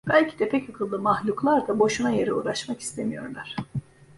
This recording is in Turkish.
Belki de pek akıllı mahluklar da, boşuna yere uğraşmak istemiyorlar.